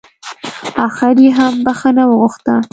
اخر يې هم بښنه وغوښته.